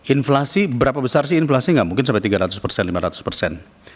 inflasi berapa besar sih inflasi nggak mungkin sampai tiga ratus persen lima ratus persen